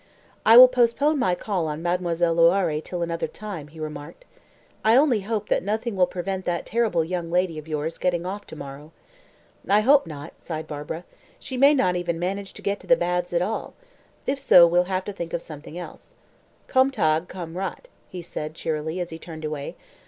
"I will postpone my call on Mademoiselle Loiré till another time," he remarked. "I only hope that nothing will prevent that terrible young lady of yours getting off to morrow." "I hope not," sighed Barbara. "She may not even manage to get to the baths at all. If so, we'll have to think of something else." "Komm Tag, komm Rat," he said cheerily, as he turned away.